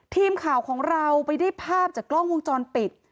ทีมข่าวของเราไปได้ภาพจากกล้องวงจรปิด